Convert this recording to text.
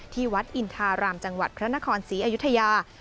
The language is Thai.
ที่วัดอินทารามจังหวัดพระนครศรีอยุธยา